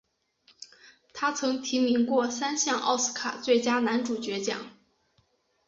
他曾提名过三项奥斯卡最佳男主角奖。